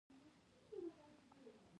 د ژاولې کارول باید له اندازې زیات نه وي.